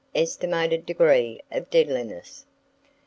ESTIMATED DEGREE OF DEADLINESS.